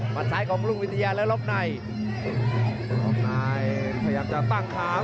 ฝันซ้ายของลุงวิทยาแล้วรอบนายรอบนายพยายามจะตั้งขา